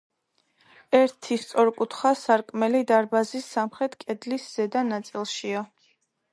ერთი სწორკუთხა სარკმელი დარბაზის სამხრეთ კედლის ზედა ნაწილშია.